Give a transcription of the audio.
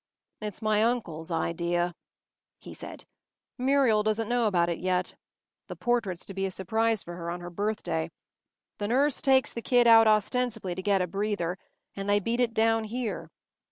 “It’s my uncle’s idea,” he said. “Muriel doesn’t know about it yet. The portrait’s to be a surprise for her on her birthday. The nurse takes the kid out ostensibly to get a breather, and they beat it down here.